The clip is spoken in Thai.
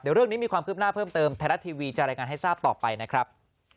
เดี๋ยวเรื่องนี้มีความคลิบหน้าเพิ่มเติมแทรกันให้ทราบต่อไปนะครับ